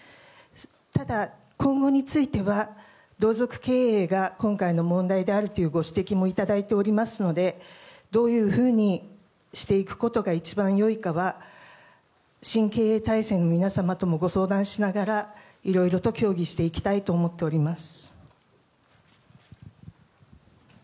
ただ、今後については同族経営が今回の問題であるというご指摘もいただいておりますのでどういうふうにしていくことが一番良いかは新経営体制の皆様ともご相談しながらいろいろと協議していきたいと思っております。